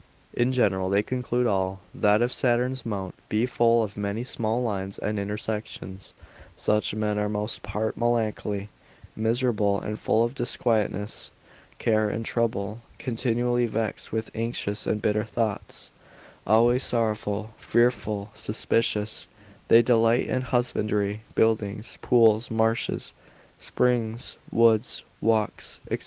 In general they conclude all, that if Saturn's mount be full of many small lines and intersections, such men are most part melancholy, miserable and full of disquietness, care and trouble, continually vexed with anxious and bitter thoughts, always sorrowful, fearful, suspicious; they delight in husbandry, buildings, pools, marshes, springs, woods, walks, &c.